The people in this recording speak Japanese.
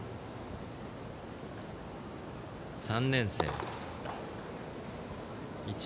３年生。